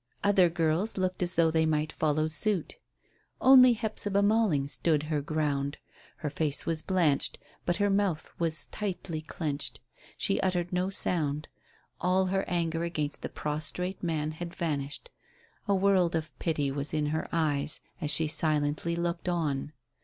Other girls looked as though they might follow suit. Only Hephzibah Malling stood her ground. Her face was blanched, but her mouth was tightly clenched. She uttered no sound. All her anger against the prostrate man had vanished; a world of pity was in her eyes as she silently looked on.